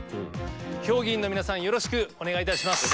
評議員の皆さんよろしくお願いいたします。